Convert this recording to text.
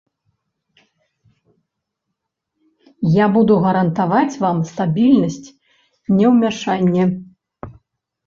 Я буду гарантаваць вам стабільнасць, неўмяшанне.